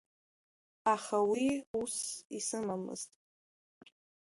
Аха уи усс исымамызт.